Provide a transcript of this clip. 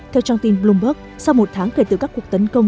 theo trang tin bloomberg sau một tháng kể từ các cuộc tấn công